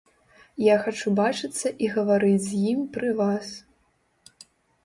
Я хачу бачыцца і гаварыць з ім пры вас.